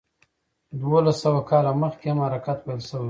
دولس سوه کاله مخکې هم حرکت پیل شوی و.